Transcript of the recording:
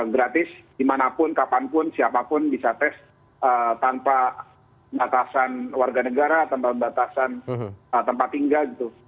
gratis dimanapun kapanpun siapapun bisa tes tanpa batasan warga negara tanpa batasan tempat tinggal gitu